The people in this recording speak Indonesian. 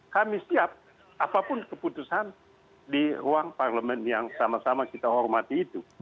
kami siap apapun keputusan di ruang parlemen yang sama sama kita hormati itu